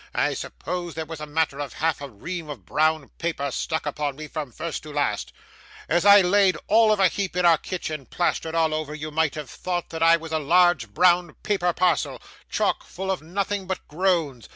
I suppose there was a matter of half a ream of brown paper stuck upon me, from first to last. As I laid all of a heap in our kitchen, plastered all over, you might have thought I was a large brown paper parcel, chock full of nothing but groans.